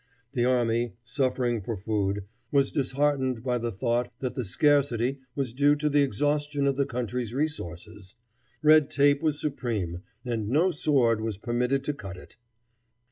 The army, suffering for food, was disheartened by the thought that the scarcity was due to the exhaustion of the country's resources. Red tape was supreme, and no sword was permitted to cut it.